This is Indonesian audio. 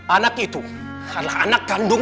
anak itu adalah anak kandung